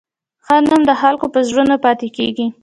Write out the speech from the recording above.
ښه نوم د خلکو په زړونو پاتې کېږي.